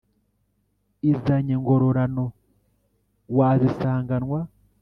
izanjye ngororano wazisanganwa.